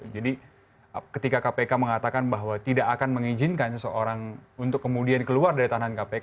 jadi ketika kpk mengatakan bahwa tidak akan mengizinkan seseorang untuk kemudian keluar dari tahanan kpk